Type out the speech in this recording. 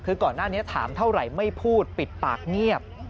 คือก่อนหน้านี้ถามเท่าไหร่ไม่พูดปิดปากเงียบ